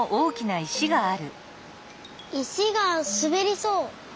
いしがすべりそう。